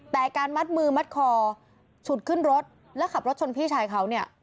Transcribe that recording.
แต่การมัดมือมัดคอฉุดขึ้นรถแล้วขับรถชนพี่ชายเขาเนี่ย